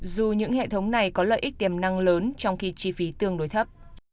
dù những hệ thống này có lợi ích tiềm năng lớn trong khi chi phí tương đối thấp